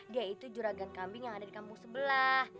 dia itu juragan kambing yang ada di kampung sebelah